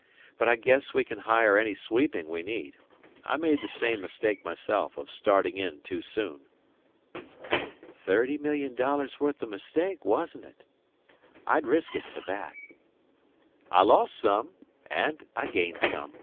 But I guess we can hire any sweeping we need. I made the same mistake myself of starting in too soon." "Thirty million dollars' worth o' mistake, wasn't it? I'd risk it for that." "I lost some; and I gained some.